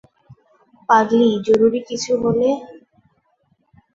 পাগলি, জরুরি কিছু হলে?